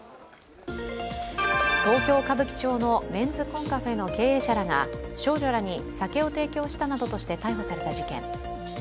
東京・歌舞伎町のメンズコンカフェの経営者らが少女らに酒を提供したなどとして逮捕された事件。